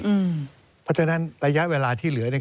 เพราะฉะนั้นระยะเวลาที่เหลือเนี่ย